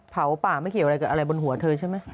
เผาป่าไม่เกี่ยวอะไรกับอะไรบนหัวเธอใช่ไหม